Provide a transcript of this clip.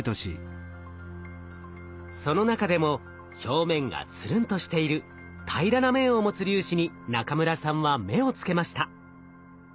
その中でも表面がつるんとしている平らな面を持つ粒子に中村さんは目をつけました。